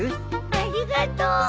ありがとう！